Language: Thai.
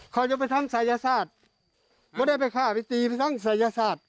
เขาจะไปทำศัยอยศาสตร์เบอร์ได้ไปข้าภิกษ์ไปทำศัยอยศาสตร์